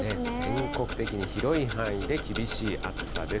全国的に広い範囲で厳しい暑さです。